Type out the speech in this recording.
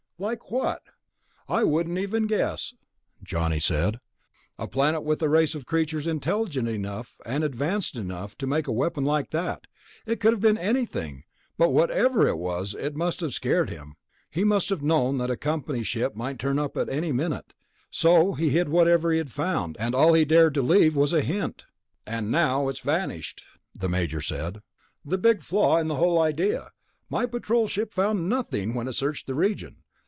"Like what?" "I wouldn't even guess," Johnny said. "A planet with a race of creatures intelligent enough and advanced enough to make a weapon like that ... it could have been anything. But whatever it was, it must have scared him. He must have known that a company ship might turn up any minute ... so he hid whatever he had found, and all he dared to leave was a hint." "And now it's vanished," the Major said. "The big flaw in the whole idea. My Patrol ship found nothing when it searched the region.